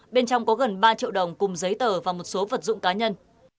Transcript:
bên trong có gần ba triệu đồng cùng giấy tờ và một số vật dụng cá nhân